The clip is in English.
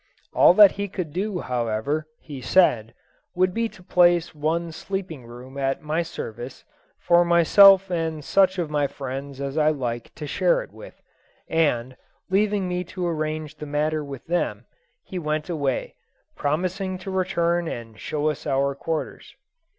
All that he could do, however, he said, would be to place one sleeping room at my service for myself and such of my friends as I liked to share it with; and, leaving me to arrange the matter with them, he went away, promising to return and show us our quarters.